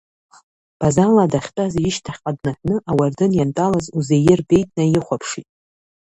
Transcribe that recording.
Базала дахьтәаз ишьҭахьҟа днаҳәны ауардын иантәалаз Узеир Беи днаихәаԥшит.